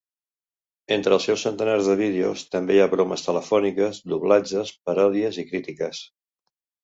Entre els seus centenars de vídeos també hi ha bromes telefòniques, doblatges, paròdies i crítiques.